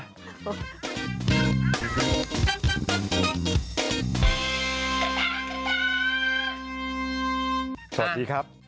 สวัสดีครับ